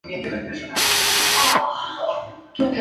Él y su mujer se muestran en los tableros laterales.